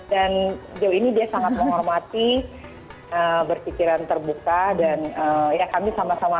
dan jauh ini dia sangat menghormati bersikiran terbuka dan ya kami sama sama